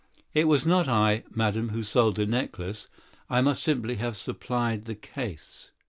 "It was not I, madame, who sold that necklace; I must simply have furnished the case."